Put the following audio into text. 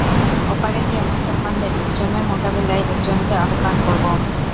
ওপারে গিয়ে মুসলমানদের একজনের মোকাবিলায় একজনকে আহ্বান করব।